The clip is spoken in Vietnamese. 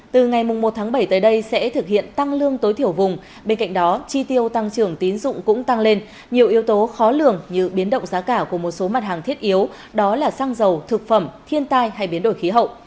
từ ngày một tháng bảy tới đây sẽ thực hiện tăng lương tối thiểu vùng bên cạnh đó chi tiêu tăng trưởng tín dụng cũng tăng lên nhiều yếu tố khó lường như biến động giá cả của một số mặt hàng thiết yếu đó là xăng dầu thực phẩm thiên tai hay biến đổi khí hậu